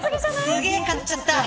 すげえ買っちゃった。